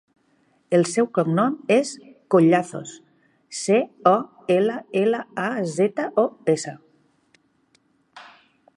El seu cognom és Collazos: ce, o, ela, ela, a, zeta, o, essa.